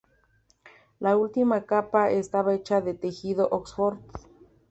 La última capa estaba hecha de tejido oxford.